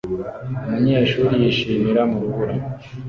Umunyeshuri yishimira mu rubura